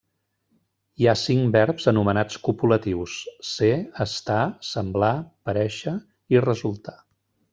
Hi ha cinc verbs anomenats copulatius: ser, estar, semblar, parèixer i resultar.